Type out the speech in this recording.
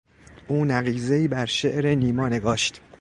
او نقیضهای بر شعر نیما نگاشت.